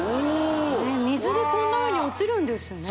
水でこんなふうに落ちるんですね